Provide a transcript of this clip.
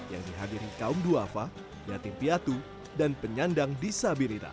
yang dihadiri kaum duafa yatim piatu dan penyandang disabilitas